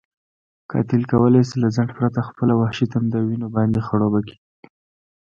قاتل کولی شي له ځنډ پرته خپله وحشي تنده وینو باندې خړوبه کړي.